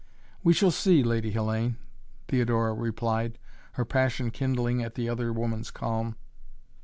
"We shall see, Lady Hellayne," Theodora replied, her passion kindling at the other woman's calm.